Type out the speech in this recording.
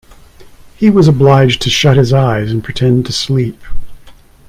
He was obliged to shut his eyes and pretend to sleep.